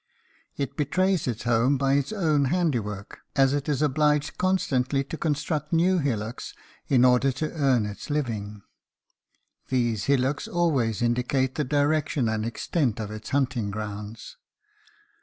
It betrays its home by its own handiwork, as it is obliged constantly to construct new hillocks in order to earn its living. These hillocks always indicate the direction and extent of its hunting grounds.